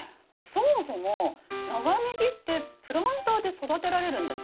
そもそも長ネギってプランターで育てられるんですか？